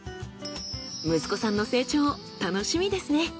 息子さんの成長楽しみですね。